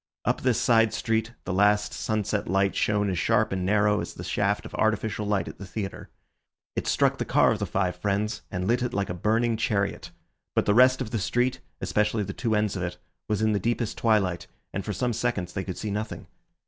Up this side street the last sunset light shone as sharp and narrow as the shaft of artificial light at the theatre. It struck the car of the five friends, and lit it like a burning chariot. But the rest of the street, especially the two ends of it, was in the deepest twilight, and for some seconds they could see nothing.